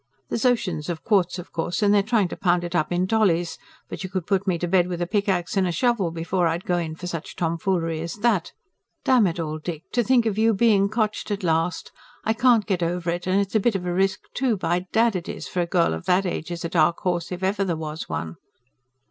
THERE'S OCEANS OF QUARTZ, OF COURSE, AND THEY'RE TRYING TO POUND IT UP IN DOLLIES, BUT YOU COULD PUT ME TO BED WITH A PICK AXE AND A SHOVEL BEFORE I'D GO IN FOR SUCH TOMFOOLERY AS THAT. DAMN IT ALL, DICK, TO THINK OF YOU BEING COTCHED AT LAST. I CAN'T GET OVER IT, AND IT'S A BIT OF A RISK, TOO, BY DAD IT IS, FOR A GIRL OF THAT AGE IS A DARK HORSE IF EVER THERE WAS ONE.